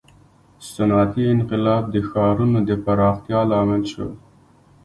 • صنعتي انقلاب د ښارونو د پراختیا لامل شو.